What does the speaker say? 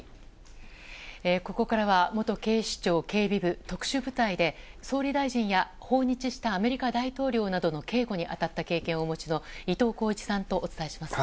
ここからは、元警視庁警備部特殊部隊で総理大臣や訪日したアメリカ大統領の警護に当たった経験をお持ちの伊藤鋼一さんとお伝えします。